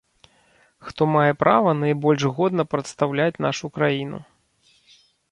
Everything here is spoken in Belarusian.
Хто мае права найбольш годна прадстаўляць нашу краіну.